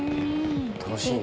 楽しいね。